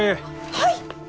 はい！